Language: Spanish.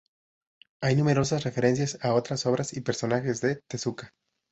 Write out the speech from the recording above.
Hay numerosas referencias a otras obras y personajes de Tezuka.